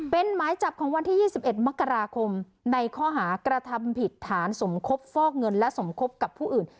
เป็นหมายจับของวันที่๒๑มกราคมในข้อหากระทำผิดฐานสมคบฟอกเงินและสมคบกับผู้อื่น